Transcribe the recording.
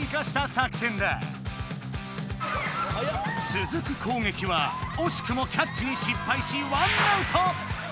つづく攻撃はおしくもキャッチに失敗し１アウト！